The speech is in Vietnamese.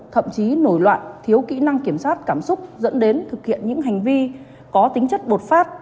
thậm chí nổi loạn thiếu kỹ năng kiểm soát cảm xúc dẫn đến thực hiện những hành vi có tính chất bột phát